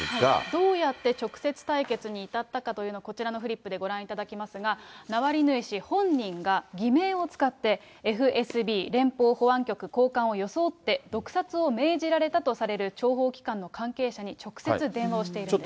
どうやって直接対決に至ったかというのを、フリップでご覧いただきますが、ナワリヌイ氏本人が、偽名を使ってＦＳＢ・連邦保安局高官を装って、毒殺を命じられたとされる諜報機関の関係者に直接、電話をしているんです。